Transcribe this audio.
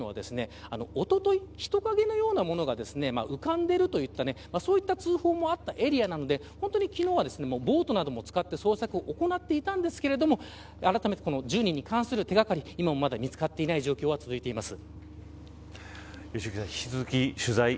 まさに今、見えているエリアというのはおととい人影のようなものが浮かんでいるといった通報もあったエリアなので本当に昨日はボードなども使って捜索を行っていたんですけれどもあらためてこの１０人に関する手掛かり今もまだ見つかっていない状況が続いています。